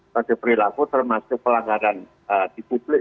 pada perilaku termasuk pelanggaran di publik